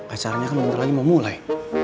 acaranya kan bentar lagi mau mulai